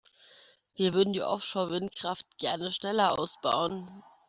Wir würden die Offshore-Windkraft gerne schneller ausbauen.